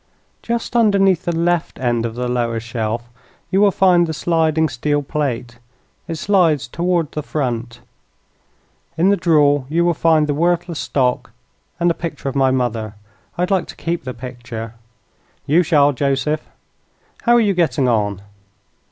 "Just underneath the left end of the lower shelf you will find the sliding steel plate. It slides toward the front. In the drawer you will find the worthless stock and a picture of my mother. I'd like to keep the picture." "You shall, Joseph. How are you getting on?"